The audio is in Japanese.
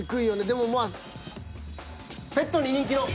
でもまあ「ぺットに人気の」。